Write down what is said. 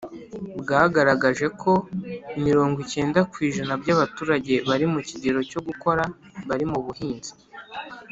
bwagaragaje ko mirongo icyenda ku ijana by’abaturage bari mu kigero cyo gukora bari mu buhinzi